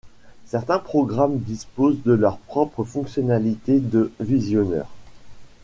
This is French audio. Certains programmes disposent de leurs propres fonctionnalités de visionneur.